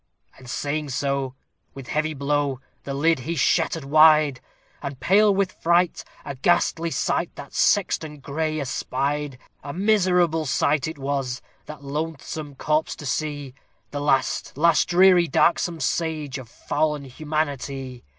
And saying so, with heavy blow, the lid he shattered wide, And, pale with fright, a ghastly sight that sexton gray espied; A miserable sight it was, that loathsome corpse to see, The last, last, dreary, darksome stage of fall'n humanity.